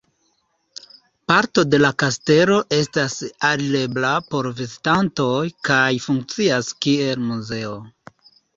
Parto de la kastelo estas alirebla por vizitantoj kaj funkcias kiel muzeo.